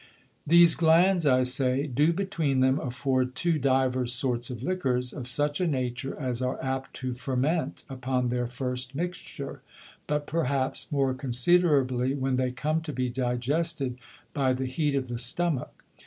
These Glands, I say, do between them afford two divers sorts of Liquors, of such a Nature as are apt to ferment upon their first Mixture, but perhaps more considerably when they come to be digested by the Heat of the Stomach.